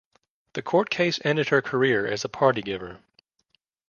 The court case ended her career as a party giver.